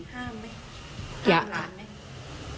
ห้ามไหมห้ามหลานไหม